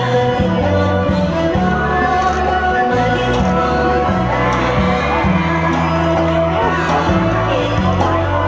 สวัสดีครับสวัสดีครับ